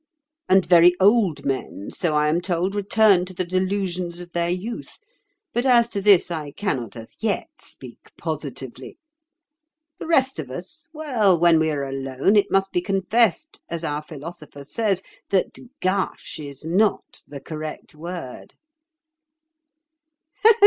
And very old men, so I am told, return to the delusions of their youth; but as to this I cannot as yet speak positively. The rest of us—well, when we are alone, it must be confessed, as our Philosopher says, that 'gush' is not the correct word."